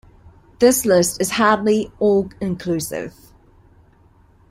This list is hardly all inclusive.